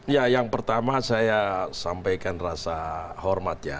ya yang pertama saya sampaikan rasa hormat ya